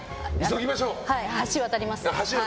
橋渡ります。